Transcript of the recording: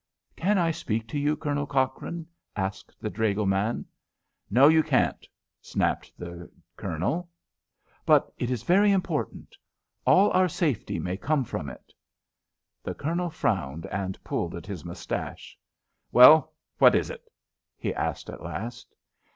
"Can I speak to you, Colonel Cochrane?" asked the dragoman. "No, you can't," snapped the Colonel. "But it is very important all our safety may come from it." The Colonel frowned and pulled at his moustache. "Well, what is it?" he asked, at last.